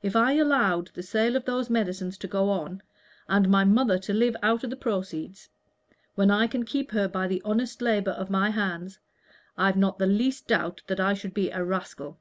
If I allowed the sale of those medicines to go on, and my mother to live out of the proceeds when I can keep her by the honest labor of my hands, I've not the least doubt that I should be a rascal."